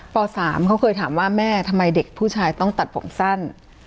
ป๓เขาเคยถามว่าแม่ทำไมเด็กผู้ชายต้องตัดผมสั้น